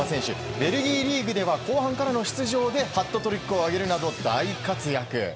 ベルギーリーグでは、後半からの出場でハットトリックを挙げるなど、大活躍。